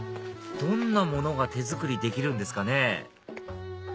どんなものが手作りできるんですかね？